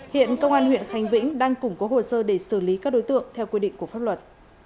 hiện công an huyện khánh vĩnh đang củng cố hồ sơ để xử lý các đối tượng theo quy định của pháp luật